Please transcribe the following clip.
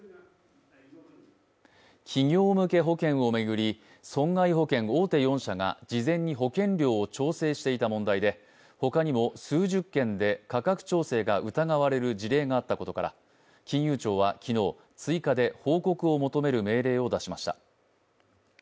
企業向け保険を巡り、損害保険大手４社が事前に保険料を調整していた問題で、ほかにも数十件で価格調整が疑われる事例があったことから、金融庁は昨日、追加で報告を求める命令を出しました。